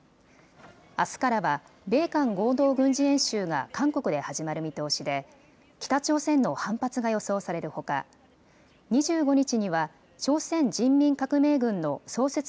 あすからは米韓合同軍事演習が韓国で始まる見通しで北朝鮮の反発が予想されるほか２５日には朝鮮人民革命軍の創設